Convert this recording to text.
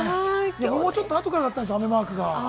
もうちょっと後からだったんですよ、雨マークが。